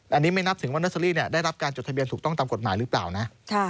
อันนี้ไม่นับถึงว่าเนอร์เซอรี่ได้รับการจดทะเบียนถูกต้องตามกฎหมายหรือเปล่านะ